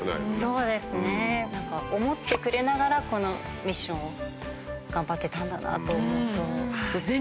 そうですね思ってくれながらこのミッションを頑張ってたんだなと思うと。